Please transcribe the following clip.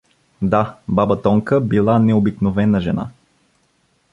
Да, баба Тонка била необикновена жена.